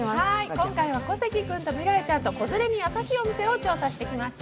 今回は小関君と未来茶と、子連れにやさしいお店を調査してきました。